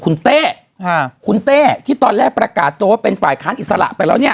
คุณเต้คุณเต้ที่ตอนแรกประกาศตัวว่าเป็นฝ่ายค้านอิสระไปแล้วเนี่ย